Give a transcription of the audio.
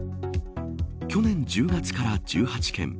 去年１０月から１８件